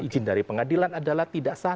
izin dari pengadilan adalah tidak sah